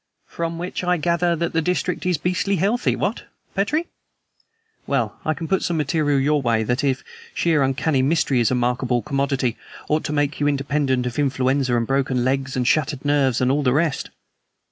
From which I gather that the district is beastly healthy what, Petrie? Well, I can put some material in your way that, if sheer uncanny mystery is a marketable commodity, ought to make you independent of influenza and broken legs and shattered nerves and all the rest."